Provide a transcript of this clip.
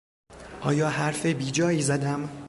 آیا حرف بیجایی زدم؟